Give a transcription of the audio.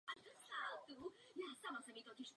Vyvinula jej firma Robert Bosch.